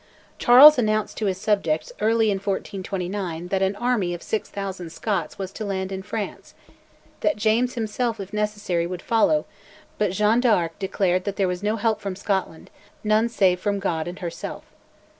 Charles announced to his subjects early in 1429 that an army of 6000 Scots was to land in France; that James himself, if necessary, would follow; but Jeanne d'Arc declared that there was no help from Scotland, none save from God and herself.